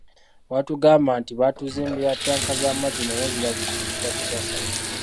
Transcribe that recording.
Baatugamba nti batuzimbira ttanka z'amazzi naye zirabise obutatugasa.